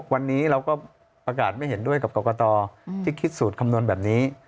วันนี้เราก็ประกาศไม่เห็นด้วยกับกรกตที่คิดสูตรคำนวณแบบนี้